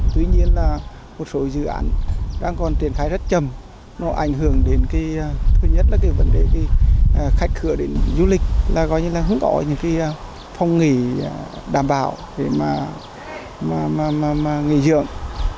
tuy nhiên là một số dự án đang còn triển khai rất chậm nó ảnh hưởng đến thứ nhất là vấn đề khách khửa đến du lịch là gọi như là hướng gọi những phong nghỉ đảm bảo để mà nghỉ dưỡng